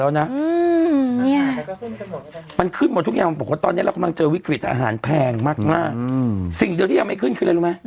เดี๋ยวเขาหาว่าเราแก่